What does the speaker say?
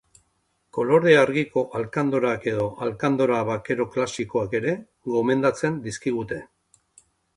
Kolore argiko alkandorak edo alkandora bakero klasikoa ere gomendatzen dizkigute.